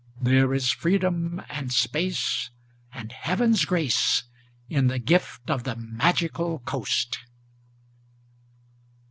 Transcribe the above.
There is freedom and space and Heaven's grace In the gift of the Magical Coast.